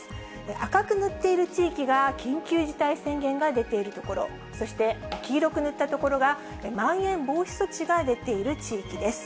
赤く塗っている地域が、緊急事態宣言が出ている所、そして、黄色く塗った所が、まん延防止措置が出ている地域です。